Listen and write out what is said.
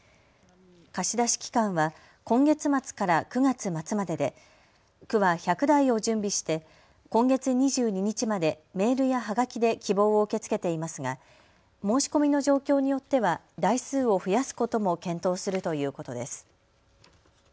貸し出し期間は今月末から９月末までで区は１００台を準備して今月２２日までメールやはがきで希望を受け付けていますが申し込みの状況によっては台数を増やすことも検討するということです。